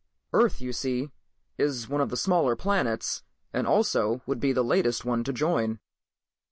Earth, you see, is one of the smaller planets and also would be the latest one to join.